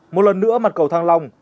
một lần nữa mặt cầu thăng long